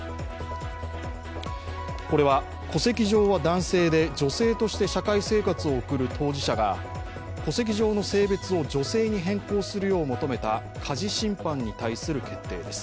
これは戸籍上は男性で女性として社会生活を送る当事者が戸籍上の性別を女性に変更するよう求めた家事審判に対する決定です。